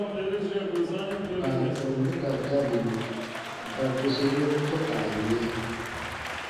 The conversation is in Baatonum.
Baatɔmbu ka dabiru ba bweserun tɔ̃ka yɛ̃.